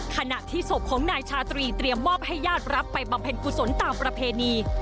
ขณะที่ศพของนายชาตรีเตรียมมอบให้ญาติรับไปบำเพ็ญกุศลตามประเพณี